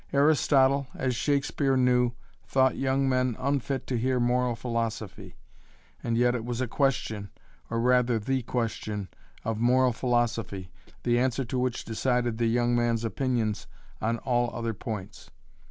Aristotle, as Shakespeare knew, thought young men "unfit to hear moral philosophy". And yet it was a question or rather the question of moral philosophy, the answer to which decided the young man's opinions on all other points.